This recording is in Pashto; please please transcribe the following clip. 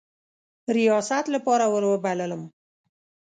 ریاست لپاره وروبللم.